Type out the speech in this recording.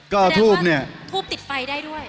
ก็ทูบเนี่ยทูบติดไฟได้ด้วย